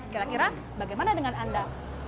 kira kira bagaimana dengan anda